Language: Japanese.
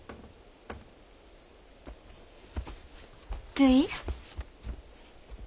るい。